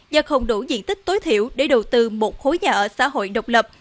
do không đủ diện tích tối thiểu để đầu tư một khối nhà ở xã hội độc lập